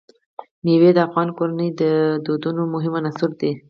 مېوې د افغان کورنیو د دودونو مهم عنصر دی.